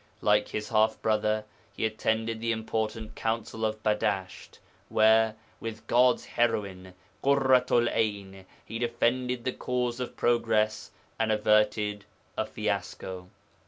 Like his half brother, he attended the important Council of Badasht, where, with God's Heroine Ḳurratu'l 'Ayn he defended the cause of progress and averted a fiasco.